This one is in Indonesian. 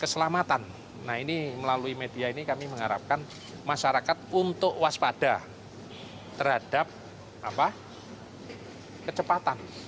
keselamatan nah ini melalui media ini kami mengharapkan masyarakat untuk waspada terhadap kecepatan